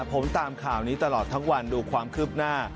ผมตามข่าวนี้ตลอดทั้งวันดูความคืบหน้า